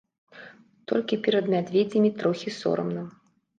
Толькі перад мядзведзямі трохі сорамна.